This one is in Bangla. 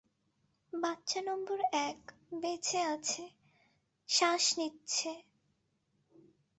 বাচ্চা নম্বর এক বেঁচে আছে, শ্বাস নিচ্ছে।